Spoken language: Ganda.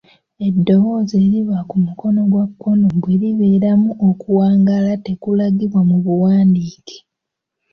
Eddoboozi eriba ku mukono gwa kkono bwe libeeramu okuwangaala tekulagibwa mu buwandiike.